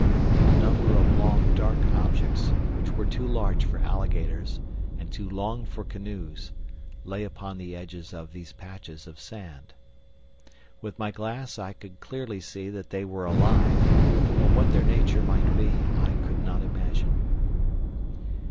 A number of long dark objects, which were too large for alligators and too long for canoes, lay upon the edges of these patches of sand. With my glass I could clearly see that they were alive, but what their nature might be I could not imagine.